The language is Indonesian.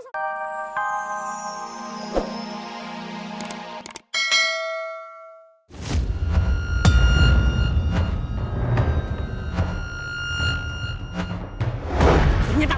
gak jelas banget